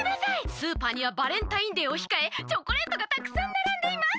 スーパーにはバレンタインデーをひかえチョコレートがたくさんならんでいます！」。